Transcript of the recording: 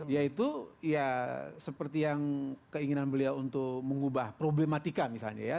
yaitu ya seperti yang keinginan beliau untuk mengubah problematika misalnya ya